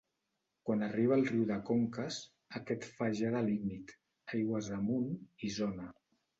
Quan arriba al riu de Conques, aquest fa ja de límit, aigües amunt, Isona.